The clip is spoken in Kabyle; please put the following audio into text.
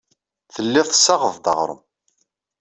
Tellid tessaɣeḍ-d aɣrum.